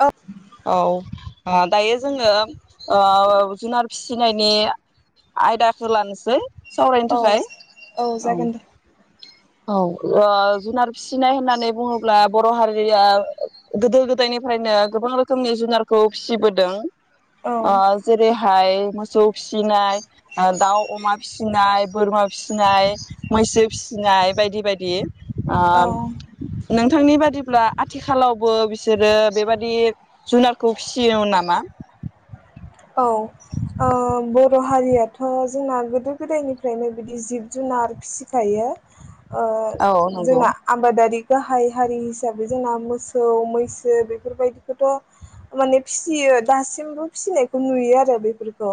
औ। औ दायो जोङो ओ जुनार फिसिनायनि आयदाखौ लानोसै सावरायनो औ थाखाय औ जागोन दे औ ओ जुनार फिसिनाय होननानै बुङोब्ला बर' हारिया गोदो-गोदायनिफ्रायनो गोबां रोखोमनि जुनारखौ फिसिबोदों। औ ओ जेरैहाय मोसौ फिसिनाय ओ दाउ अमा फिसिनाय बोरमा फिसिनाय मैसो फिसिनाय बायदि बायदि आ औ नों थांनि बादिब्ला आथिखालावबो बिसोरो बेबादि जुनारखौ फिसियो नामा? औ ओ बर हारियाथ जोंना गोदो गोदायनिफ्रायनो बिदि जिब जुनार फिसिखायो। ओ औ नंगौ जोंना आबादारि गाहाय हारि हिसाबै जोंना मोसौ मैसो बेफोरबायदिखौथ माने फिसियो दासिमबो फिसिनाय नुयो आरो बेफोरखौ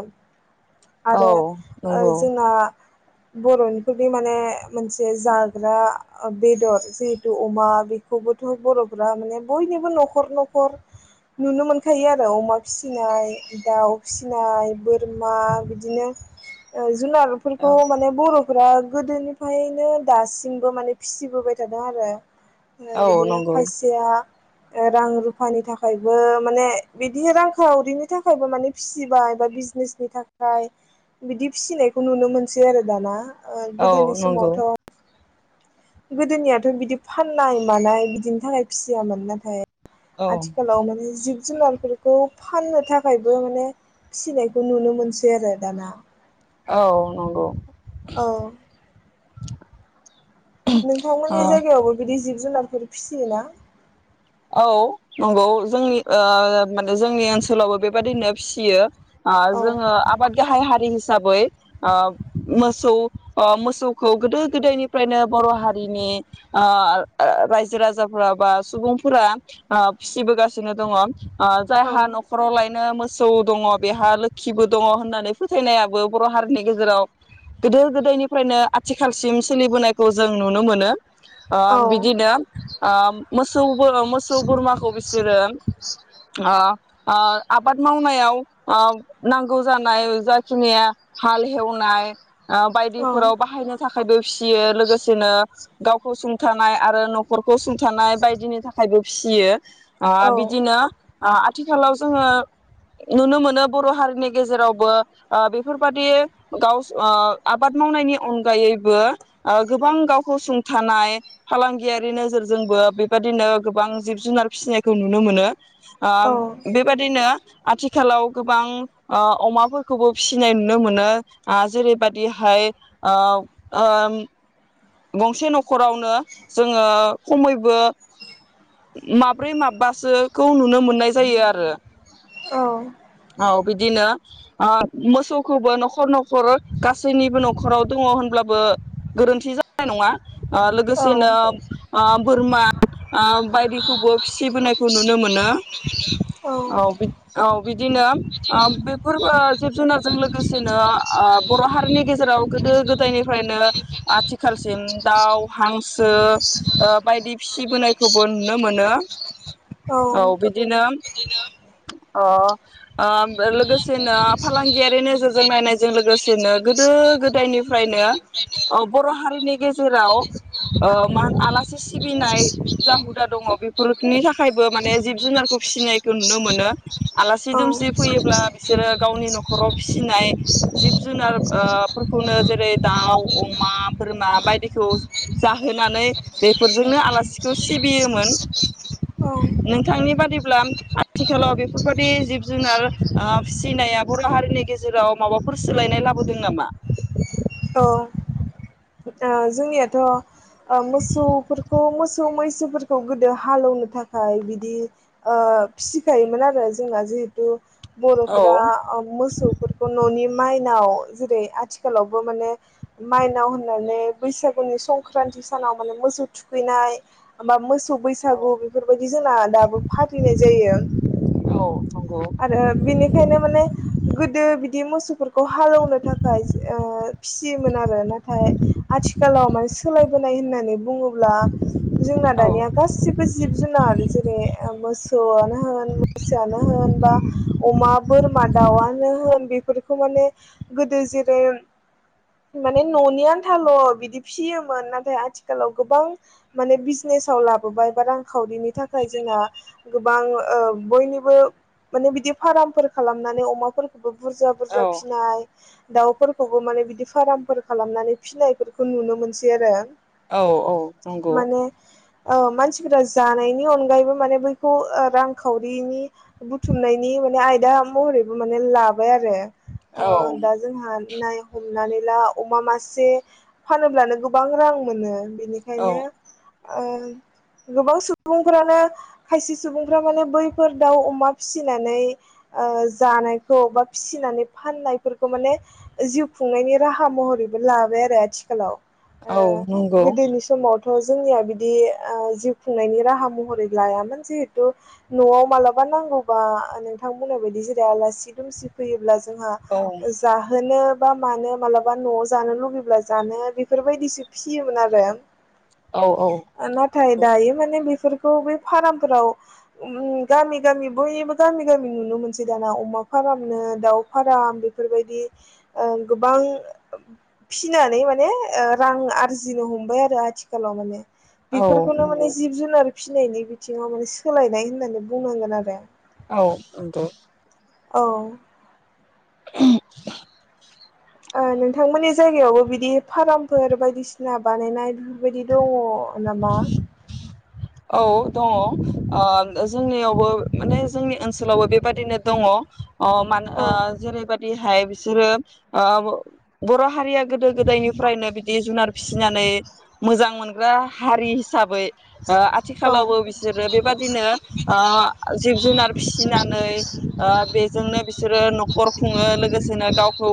औ आरो ओ नंगौ जोंना बरनिथ बे माने मोनसे जाग्रा बेदर जिहेथु अमा बेखौबोथ बरफोरा माने बयनिबो नखर नखर नुनो मोनखायो आरो अमा फिसिनाय दाउ फिसिनाय बोरमा बिदिनो जुनारफोरखौ औ माने बर फोरा गोदोनिफ्रायनो दासिमबो माने फिसिबोबाय थादों आरो औ बिदिनो नंगौ खायसेया रां रुफानि थाखायबो माने बिदिनो रांखावरिनि थाखायबो माने फिसिबाय बा बिजनेसनि थाखाय बिदि फिसिनायखौ नुनो मोनसै आरो दाना औ गोदोनि नंगौ समावथ गोदोनियाथ बिदि फाननाय मानाय बिदिनि थाखाय फिसियामोन नाथाय औ आथिखालाव माने जिब जुनारफोरखौ फाननो थाखायबो माने फिनायखौ नुनो मोनसै आरो दाना। औ नंगौ। औ ओ नोंथांमोननि जायगायावबो बिदि जिब जुनारफोर फिसियोना औ नंगौ जोंनि ओ माने जोंनि ओनसोलावबो बेबादिनो फियो औ जोङो आबाद गाहाय हारि हिसाबै ओ मोसौ मोसौखौ गोदो गोदायनिफ्रायनो बर हारिनि ओ रायजो राजाफोरा बा सुबुं फोरा फिसिबोगासिनो दङ आं औ जायहा नखरावलायनो मोसौ दङ बेहा लोखिबो दङ होननानै फोथायनायाबो बर' हारिनि गेजेराव गोदो गोदायनिफ्रायनो आथिखालसिम सोलिबोनायखौ जों नुनो मोनो। ओ औ बिदिनो ओ मोसौ [unintelligible] मोसौ बोरमाखौ बिसोरो ओ ओ आबाद मावनायाव ओ नांगौ जानाय जाखिनिया हाल हेवनाय ओ औ बायदिफोराव बाहायनो थाखायबो फिसियो लोगोसेनो गावखौ सुंथानाय आरो न'खरखौ सुंथानाय बायदिनि थाखाय थाइजौ फिसियो, आ औ बिदिनो, ओ आथिखालाव जोङो नुनो मोनो बर' हारिनि गेजेरावबो ओ बेफोरबादि गाव ओ आबाद मावनायनि अनगायैबो ओ गोबां गावखौ सुंथानाय फालांगियारि नोजोरजोंबो बेबादिनो, गोबां जिब जुनार फिसिनायखौ नुनो मोनो, ओ औ बेबादिनो आथिखालाव गोबां ओ अमाफोरखौबो फिसिनाय नुनो मोनो ओ जेरैबादिहाय औ ओ गंसे न'खरावनो जोङो खमैबो, माब्रै माबबासोखौ नुनो मोननाय जायो आरो औ औ बिदिनो ओ मोसौखौबो न'खर न'खर गासैनिबो न'खराव दङो होनब्लाबो गोरोन्थि जानाय नङा ओ औ लोगोसेनो ओ बोरमा ओ बायदिखौबो फिसिबोनायखौ नुनो मोनो औ बे औ बिदिनो ओ बेफोरबो जिब जुनारजों लोगोसेनो ओ बर' हारिनि गेजेराव गोदो गोदायनिफ्रायनो आथिखालसिम दाउ हांसो ओ बायदि फिसिबोनाय, खौबो नुनो मोनो औ बिदिनो अ ओ लोगोसेनो फालांगियारि नोजोरजों नायनायजों लोगोसेनो गोदो गोदायनिफ्रायनो बर' हारिनि गेजेराव ओ मा आलासि सिबिनाय, जा हुदा दङ बेफोरनि थाखायबो माने जिब जुनारखौ फिसिनायखौ नुनो मोनो आलासि औ दुमसि फैयोब्ला बिसोरो गावनि न'खराव फिसिनाय जिब जुनार ओ फोरखौनो जेरै दाउ, अमा, बोरमा बायदिखौ जाहोनानै बेफोरजोंनो आलासि खौ सिबियोमोन नोंथांनि बादिब्ला आथिखालाव बेफोरबादि जिब जुनार ओ फिसिनाया बर' हारिनि गेजेराव माबाफोर सोलायनाय लाबोदों नामा? ओ जोंनियाथ' ओ मोसौफोरखौ मोसौ मैसोफोरखौ गोदो हालौवनो थाखाय बिदि फिसिखायोमोन आरो जोंना जिहेथु, औ बर'फोरा ओ मोसौफोरखौ न'नि माइनाव जेरै आथिखालावबो माने माइनाव होननानै, बैसागुनि संक्रान्ति सानाव माने मोसौ थुखैनाय बा मोस मोसौ औ बैसागु बेफोरबायदि जोंना दाबो फालिनाय जायो। औ आरो बिनिखायनो माने गोदो बि बि मोसौफोरखौ हालौनो थाखाय ओ फिसियोमोन आरो नाथाय आथिखालाव माने सोलायबोनाय होननानै बुङो। अब्ला जोंना औ दानिया गासिबो जिब जुनार जेरै मोस मोसौवानो होन मैसो आनो, बा अमा बोरमा दावानो होन बि बेफोरखौ माने गोदो जेरै ‌ माने न'नि आनथाल' बिदि फिसियोमोन नाथाय आथिखालाव गोबां माने बिजनेसाव लाबोबाय बा रांखावरिनि थाखाय जोंना गोबां ओ बयनिबो माने बिदि फार्मफोर खालामनानै अमाफोरखौबो, बुरजा बुरजा औ फिनाय दाउफोरखौबो माने बिदि फार्मफोर खालामनानै फिनायफोरखौ नुनो मोनसै आरो औ औ नंगौ माने औ मानसिफोरा जानायनि अनगायैबो माने बैखौ रांखावरिनि बुथुमनायनि माने आयदा महरैबो माने लाबाय आरो ओ औ दा जोंहा नाय हम नानै ला अमा मासे फानोब्लानो गोबां रां मोनो औ बेनिखायनो ओ गोबां सुबुंफ्रानो खायसे सुबुंफ्रा माने बैफोर दाउ अमा फिसिनानै ओ जानायखौ बा फिसिनानै फाननायफोरखौ माने जिउ खुंनायनि राहा महरैबो लाबाय आरो आथिखालाव औ नंगौ थ जोंनिया बिदि जिउ खुंनायनि राहा महरै लायामोन जिहेथु नआव मालाबा नांगौबा नोंथां बुंनाय बायदि जेरै आलासि दुमसि फैयोब्ला जोंहा औ जाहोनो बा मानो मालाबा न'आव जानो लुुबैब्ला जानो बेफोरबायदिसो फिसियोमोन आरो औ नाथाय नंगौ दायो माने बेफोर खौ बे फारामफोराव गामि गामि बयनिबो गामि गामि नुनो मोनसै दाना अमा फारामनो दाउ फाराम बेफोरबायदि गोबां फिनानै माने रां आरजिनो हमबाय आरो आथिखालाव माने बेफोरखौनो माने जिब जुनार फिनायनि बिथिङाव माने सोलायनाय होननानै बुंनांगोन आरो औ नंगौ औ [inaudible] ओ नोंथांमोननि जायगायावबो बिदि फारामफोर बायदिसिना बानायनाय बेबायदि दङ खालामा औ दङ जोंनियावबो माने जोंनि ओनसोलावबो बेबादिनो दङ अ मानो औ ओ जेरैबा बेहाय बिसोरो आ बर' हारिया गोदो गोदायनिफ्रायनो बिदि जुनार फिसिनानै मोजां मोन हारि हिसाबै औ आथिखालावबो बिसोरो बेबादिनो आ जिब जुनार फिसिनानै बे फोरनो जोंनो बिसोरो न'खर खुङो लोगोसेनो गावखौ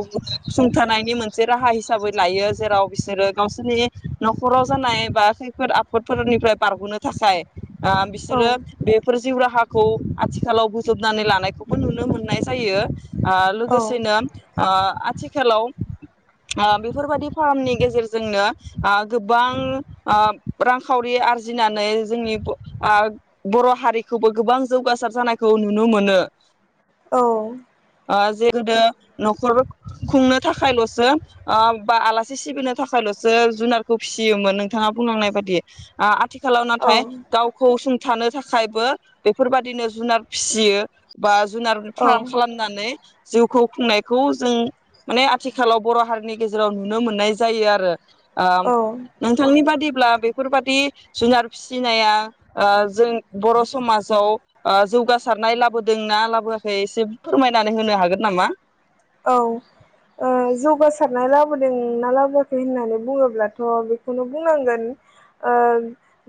सुंथानायनि मोनसे राहा हिसाबै लायो जेराव बिसोरो गावसोरनि न'खराव जानाय बा खैफोद आफोदफोरनिफ्राय बारगनो थाखाय आ औ बिसोरो बेफोर जिउ राहाखौ आथिखालाव बोजबनानै लानायखौबो नुनो मोननाय जायो आ औ लोगोसेनो आ आथिखालाव बेफोरबायदि फार्मनि गेजेरजोंनो गोबां रांखावरि आरजि जिनानै जोंनि ब आ बर' हारिखौबो गोबां जौगासार जानायखौ नुनो मोनो। औ। ओ जे गोदो न'खर खुंनो थाखायल'सो ओ बा आलासि सिबिनो थाखायल'सो जुनारखौ फिसियोमोन नोंथाङा बुंलांनाय बाददि आ आथिखालाव नाथाय औ गावखौ सुं थानो थाखायबो बेफोरबायदिनो जुनार फिसियो बा जुनार औ फार्म खालामनानै जिउखौ खुंनायखौ जों माने आथिखालाव बर' हारिनि गेजेराव नुनो मोननाय जायो आरो ओ औ नोंथांनि बादि ब्ला बेफोरबादि जुनार फिसिनाया ओ जों बर' समाजाव ओ जौगासारनाय लाबोदोंना लाबोआखै एसे फोरमायनानै होनो हागोन नामा? औ ओ जौगासारनाय लाबोदों ना लाबोआाखै होननानै बुङोब्लाथ' बेखौनो बुंनांगोन ओ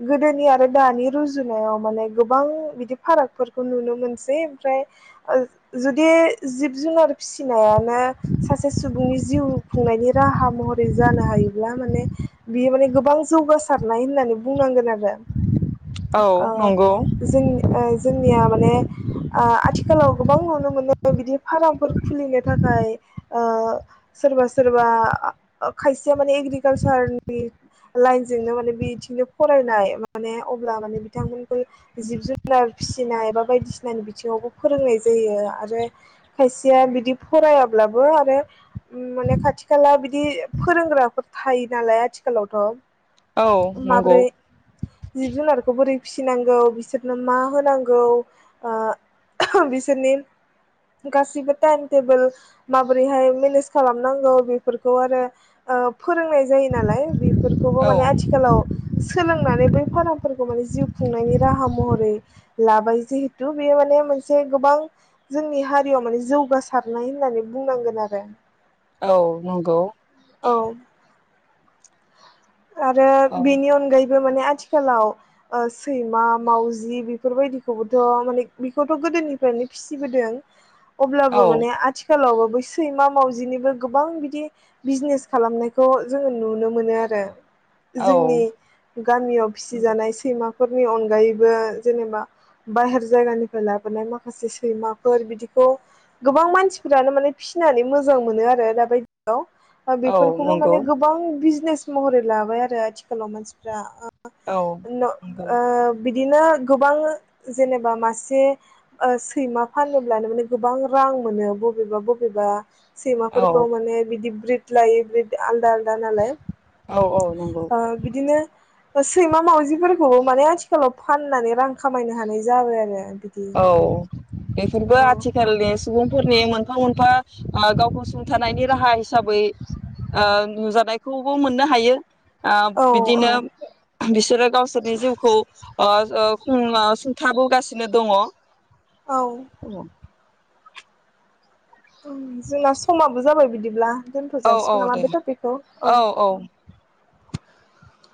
गोदोनि आरो दानि रुजुनायाव माने गोबां बिदि फारागफोरखौ नुनो मोनसै ओमफ्राय जुदि जिब जुनार फिसि फिसिनायानो सासे सुबुंनि जिउ खुंनायनि राहा महरै जानो हायोब्ला माने बियो माने गोबां जौगासारनाय होननानै बुंनांगोन आरो। औ जों जोंनिया माने आ आथिखालाव गोबां नुनो मोनो बिदि फार्मफोरखौ। खुलिनो थाखाय ओ सोरबा सोरबा खायसेया माने एग्रिकालसारनि लाइनजोंनो माने बिथिंनो फरायनाय माने अब्ला माने बिथांमोनखौ जिब जुनार फिसिनाय बा बायदिसिना बिथिङावबो फोरोंनाय जायो आरो खायसे खथिया बिदि फरायाब्लाबो आरो माने खाथि खाला बिदि फोरोंग्राफोर थायो नालाय आथिखालावथ' औ नंगौ माब्रै जिब जुनारखौ बोरै फिसिनांगौ बिसोरनो मा होनांगौ ओ बिसोरनि गासैबो टाइम टेबोल माबोरैहाय मेनेज खालामनांगौ बेफोरखौ आरो औ फोरोंनाय जायो नालाय बेफोरखौबो माने औ आथिखालाव सोलोंनानै बै फारमफोरखौ माने जिउ खुंनायनि राहा महरै लाबाय जिहेथु बेयो माने मोनसे गोबां जोंनि हारियाव माने जौ हबासारनाय होननानै बुंनांगोन आरो औ नंगौ। औ। आरो औ बेनि अनगायै बे माने आथिखालाव ओ सैमा मावजि बेफोरबायदिखौबोथ' माने बेखौथ' गोदोनिफ्रायनो फिसिबोदों औ अब्लाबो माने आथिखालाव बै सैमा मावजिनिबो गोबां बिदि बिजनेस खालामनायखौ जोंङो नुनो मोनो आरो औ जोंनि गामियाव फिसिजानाय सैमा फोरनि अनगायैबो जेनेबा बाहेर जायगानिफ्राय लाबोनाय माखासे सैमाफोर बिदिखौ गोबां मानसिफोरानो माने फिसिनानै मोजां मोनो आरो दा बायदियाव। औ बेफोरखौबो नंगौ माने गोबां बिज बिजनेस महरै लाबाय आरो आथिखालाव मानसिफ्रा ओ औ न नंगौ औ बिदि बिदिनो गोबां जेनेबा मासे ओ सैमा फानोब्लानो माने गोबां रां मोनो बबेबा बबेबा औ सैमाफोरखौ माने बिदि ब्रिद लायो ब्रिद आलदा आलदा नालाय। औ औ नंगौ ओ बिदिनो सैमा मावजिफोरखौबो माने आथिखालाव फाननानै रां खामायनो हानाय जाबाय आरो बिदि औ बेफोरबो औ आथि खालनि सुबुंफोरनि मोन मोनफा मोनफा ओ गावखौ सुंथानायनि राहा हिसाबै ओ नुजानायखौबो मोननो हायो । औ ओ औ बिदिनो बिसोरो गावसोरनि जिउखौ ओ ओ [unintelligible] सुंथाबोगासिनो दङ । औ जोंना समाबो जाबाय बिदिब्ला दोन्थ' औ जासिगोन नामा दे बे टपिकखौ औ ।